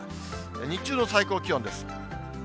日中の最高気温です。